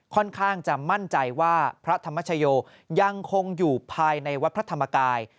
ค่อนข้างจะมั่นใจว่าพระธรรมชโยยังคงอยู่ภายในวัดพระธรรมกาย